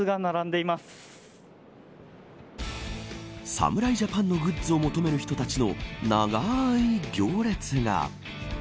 侍ジャパンのグッズを求める人たちの長い行列が。